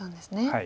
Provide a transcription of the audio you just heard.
はい。